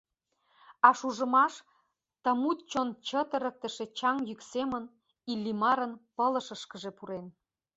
А шужымаш — ты мут чон чытырыктыше чаҥ йӱк семын Иллимарын пылышышкыже пурен.